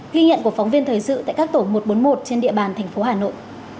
ghi nhận của phóng viên thời sự tại các tổ một trăm bốn mươi một trên địa bàn thành phố hà nội